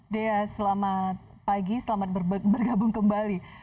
dea selamat pagi selamat bergabung kembali